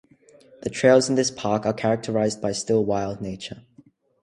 The trails in this park are characterized by still wild nature.